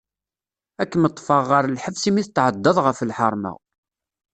Ad kem-ṭfeɣ ɣer lḥebs imi tetɛeddaḍ ɣef lḥarma.